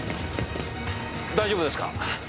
大丈夫ですか？